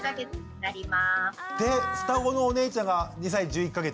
で双子のお姉ちゃんが２歳１１か月。